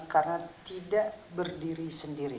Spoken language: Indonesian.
karena tidak berdiri sendiri